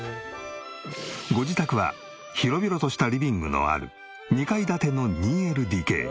ご自宅は広々としたリビングのある２階建ての２ＬＤＫ。